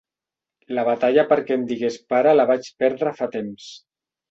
La batalla perquè em digués pare la vaig perdre fa temps.